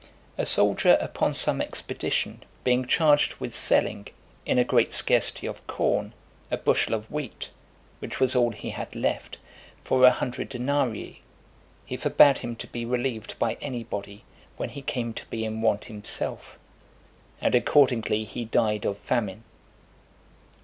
A soldier upon some expedition being charged with selling, in a great scarcity of corn, a bushel of wheat, which was all he had left, for a hundred denarii, he forbad him to be relieved by any body, when he came to be in want himself; and accordingly he died of famine.